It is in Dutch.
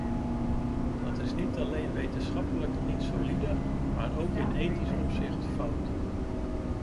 Dat is niet alleen wetenschappelijk niet solide, maar ook in ethisch opzicht fout.